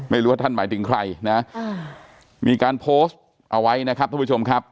ไม่รู้ว่าท่านหมายถึงใครนะมีการโพสต์เอาไว้นะครับท่านผู้ชมครับ